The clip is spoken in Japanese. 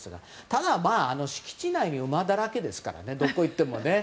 ただ、敷地内は馬だらけですからねどこ行ってもね。